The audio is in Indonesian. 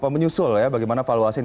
menyusul ya bagaimana valuasi ini